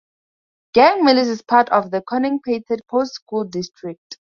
Gang Mills is part of the Corning-Painted Post School district.